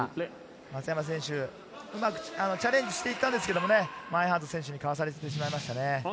松山選手、うまくチャレンジしていったんですけど、マインハート選手にかわされてしまいましたね。